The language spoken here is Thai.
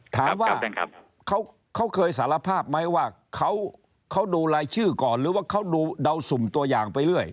ถามว่าเขาเคยสารภาพไหมว่าเขาดูรายชื่อก่อนหรือว่าเขาดูเดาสุ่มตัวอย่างไปเรื่อย